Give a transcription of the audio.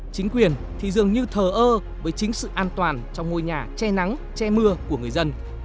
chính quyền thì dường như thờ ơ với chính sự an toàn trong ngôi nhà che nắng che mưa của người dân